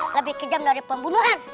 lebih kejam dari pembunuhan